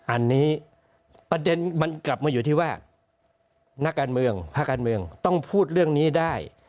อันนี้ประเด็นมันกลับมาอยู่ที่ว่านักการเมืองภาคการเมืองต้องพูดเรื่องนี้ได้